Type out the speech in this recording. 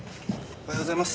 おはようございます。